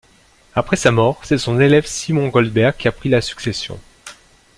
Après sa mort, c'est son élève Szymon Goldberg qui a pris la succession.